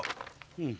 うん。